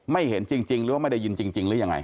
เห็นจริงหรือว่าไม่ได้ยินจริงหรือยังไง